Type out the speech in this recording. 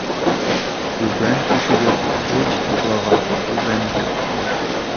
Түбән кешегә ҡул ҡушлаған түбәндә ҡалыр.